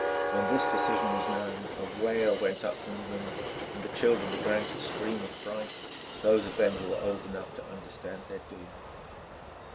When this decision was known, a wail went up from the women and the children began to scream with fright, those of them who were old enough to understand their doom.